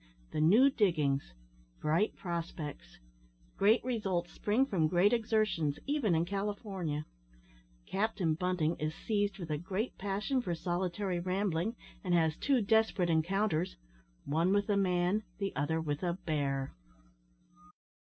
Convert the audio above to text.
THE NEW DIGGINGS BRIGHT PROSPECTS GREAT RESULTS SPRING FROM GREAT EXERTIONS, EVEN IN CALIFORNIA CAPTAIN BUNTING IS SEIZED WITH A GREAT PASSION FOR SOLITARY RAMBLING, AND HAS TWO DESPERATE ENCOUNTERS; ONE WITH A MAN, THE OTHER WITH A REAR.